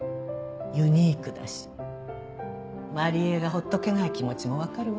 ユニークだし万里江が放っとけない気持ちも分かるわ。